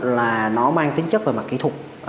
là nó mang tính chất và mặt kỹ thuật